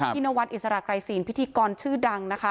พินวัฒน์อิสระไกรซีนพิธีกรชื่อดัง